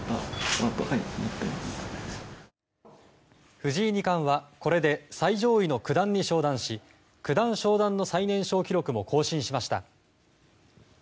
藤井二冠はこれで最上位の九段に昇段し九段昇段の最年少記録も更新しました。